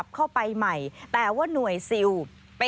สวัสดีค่ะสวัสดีค่ะ